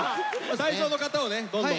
退場の方はねどんどん。